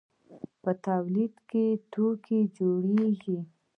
په تولید کې توکي جوړیږي.